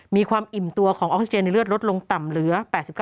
มีความอิ่มตัวของออกซิเจนในเลือดลดลงต่ำเหลือ๘๙